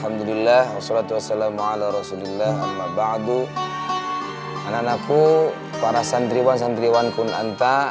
alhamdulillah wassalatu wassalamu ala rasulillah al maba'du ananaku para santriwan santriwan kunanta